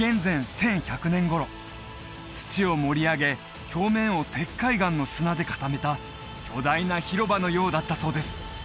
１１００年頃土を盛り上げ表面を石灰岩の砂で固めた巨大な広場のようだったそうです